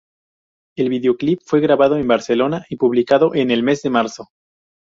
El videoclip fue grabado en Barcelona y publicado en el mes de marzo.